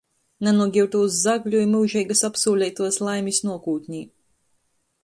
Nanūgiutūs zagļu i myužeigys apsūleituos laimis nuokūtnē.